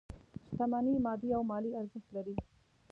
شتمني مادي او مالي ارزښت لري.